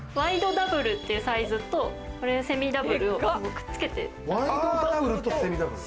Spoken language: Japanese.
ワイドダブルっていうサイズとセミダブルをくっつけてもらって。